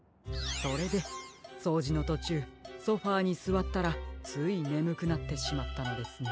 それでそうじのとちゅうソファにすわったらついねむくなってしまったのですね。